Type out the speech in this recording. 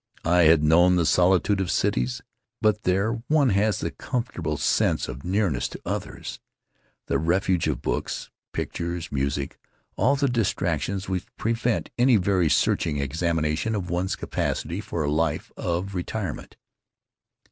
I had known the solitude of cities, but there one has the comfortable sense of nearness to others; the refuge of books, pictures, music — all the distractions which prevent any very searching examination of one's capacity for a life of retirement.